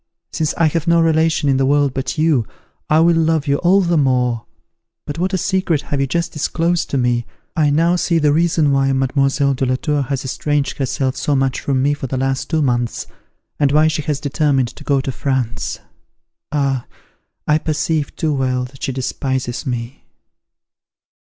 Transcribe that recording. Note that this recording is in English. since I have no relation in the world but you, I will love you all the more. But what a secret have you just disclosed to me! I now see the reason why Mademoiselle de la Tour has estranged herself so much from me for the last two months, and why she has determined to go to France. Ah! I perceive too well that she despises me!"